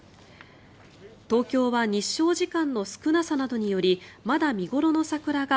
東京は日照時間の少なさなどによりまだ見頃の桜が